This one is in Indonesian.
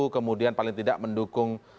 kemudian paling tidak mendukung